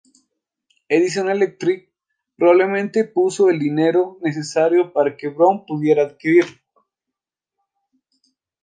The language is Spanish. Edison Electric probablemente puso el dinero necesario para que Brown pudiera adquirirlos.